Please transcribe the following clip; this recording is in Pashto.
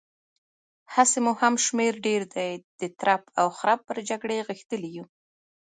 هسې مو هم شمېر ډېر دی، د ترپ او خرپ پر جګړې غښتلي يو.